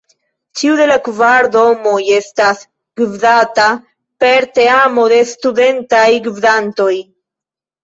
Ĉiu de la kvar domoj estas gvidata per teamo de Studentaj Gvidantoj.